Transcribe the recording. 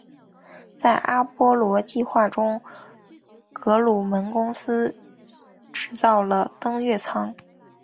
在阿波罗计划中格鲁门公司制造了登月舱。